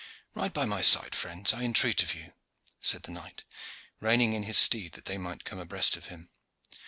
"Ride by my side, friends, I entreat of you," said the knight, reining in his steed that they might come abreast of him.